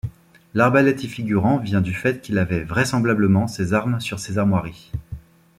L'arbalète y figurant vient du fait qu'il avait vraisemblablement ses armes sur ses armoiries.